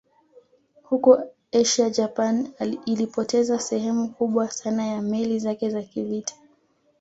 Huko Asia Japan ilipoteza sehemu kubwa sana ya meli zake za kivita